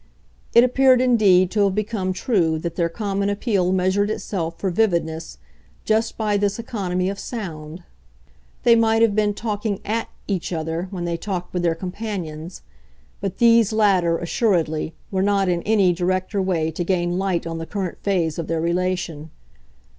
It appeared indeed to have become true that their common appeal measured itself, for vividness, just by this economy of sound; they might have been talking "at" each other when they talked with their companions, but these latter, assuredly, were not in any directer way to gain light on the current phase of their relation.